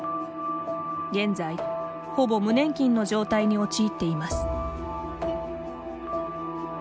現在、ほぼ無年金の状態に陥っています。